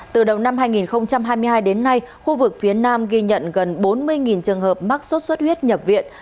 từ đầu năm hai nghìn hai mươi hai đến nay khu vực phía nam ghi nhận gần bốn mươi trường hợp mắc sốt xuất huyết nhập viện